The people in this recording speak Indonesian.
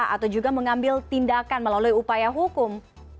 atau juga mengambil tindakan melalui upaya hukum